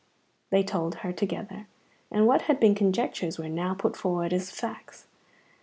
They told her together, and what had been conjectures were now put forward as facts.